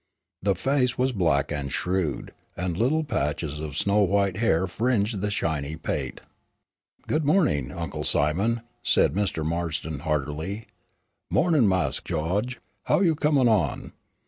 The face was black and shrewd, and little patches of snow white hair fringed the shiny pate. "Good morning, Uncle Simon," said Mr. Marston, heartily. "Mornin' Mas' Gawge. How you come on?"